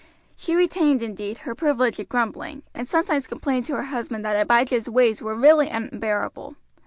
She retained, indeed, her privilege of grumbling, and sometimes complained to her husband that Abijah's ways were really unbearable.